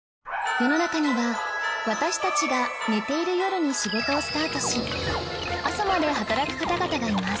世の中には私たちが寝ている夜に仕事をスタートし朝まで働く方々がいます